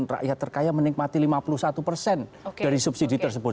rakyat terkaya menikmati lima puluh satu persen dari subsidi tersebut